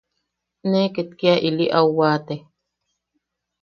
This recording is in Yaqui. Ne ket kia ili au waate.